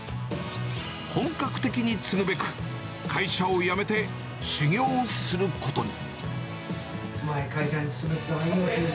本格的に継ぐべく、会社を辞めて、修業をすることに。